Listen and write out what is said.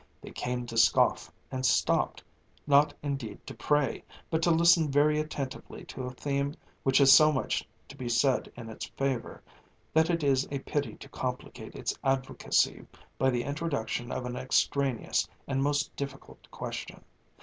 They came to scoff and stopped, not indeed to pray, but to listen very attentively to a theme which has so much to be said in its favour that it is a pity to complicate its advocacy by the introduction of an extraneous and most difficult question.